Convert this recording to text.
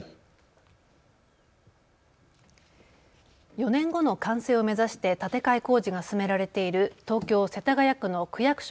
４年後の完成を目指して建て替え工事が進められている東京世田谷区の区役所